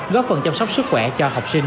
góp phần chăm sóc sức khỏe cho học sinh